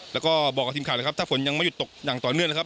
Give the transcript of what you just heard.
แล้วก็บอกกับทีมข่าวเลยครับถ้าฝนยังไม่หยุดตกอย่างต่อเนื่องนะครับ